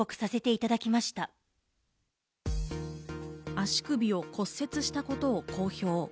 足首を骨折したことを公表。